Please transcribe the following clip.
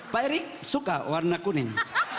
pak erick suka warna kuning